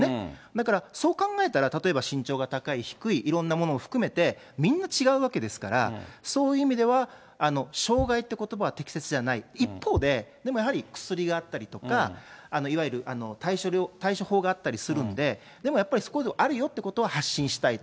だから、そう考えたら、例えば身長が高い、低い、いろんなものを含めてみんな違うわけですから、そういう意味では障害ってことばは適切じゃない、一方で、でもやはり、薬があったりとか、いわゆる対処法があったりするんで、でもやっぱり、そういうことがあるよっていうことは発信したい。